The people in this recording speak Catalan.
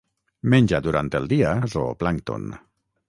Menja durant el dia zooplàncton.